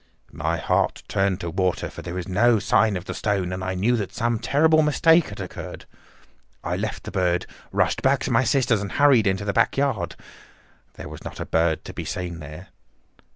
My heart turned to water, for there was no sign of the stone, and I knew that some terrible mistake had occurred. I left the bird, rushed back to my sister's, and hurried into the back yard. There was not a bird to be seen there.